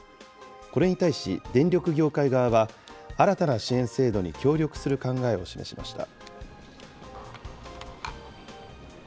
これに対し、電力業界側は、新たな支援制度に協力する考えを示しました。